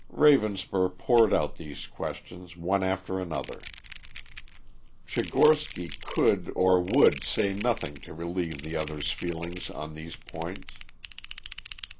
Ravenspur poured out these questions one after another. Tchigorsky could or would say nothing to relieve the other's feelings on these points.